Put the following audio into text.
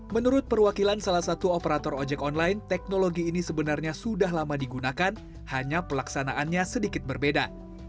menurut perwakilan salah satu operator ojek online teknologi ini sebenarnya sudah lama digunakan hanya pelaksanaannya sedikit berbeda